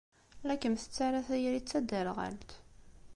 La kem-tettara tayri d taderɣalt.